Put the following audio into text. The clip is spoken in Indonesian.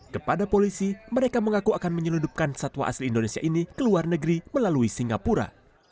kepada polisi mereka mengaku akan menyeludupkan satwa asli indonesia ini ke luar negeri melalui singapura